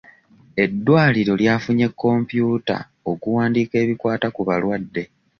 Eddwaliro lyafunye kompyuta okuwandiika ebikwata ku balwadde.